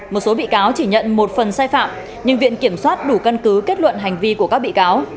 một số bị cáo chỉ nhận một phần sai phạm nhưng viện kiểm soát đủ căn cứ kết luận hành vi của các bị cáo